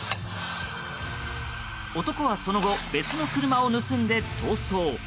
男はその後別の車を盗んで逃走。